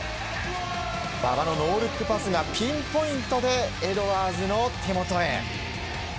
馬場のノールックパスがピンポイントでエドワーズの手元へ。